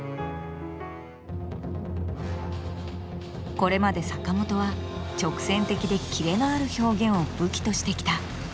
これまで坂本は直線的でキレのある表現を武器としてきた。